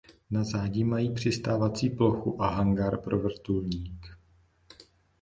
Na zádi mají přistávací plochu a hangár pro vrtulník.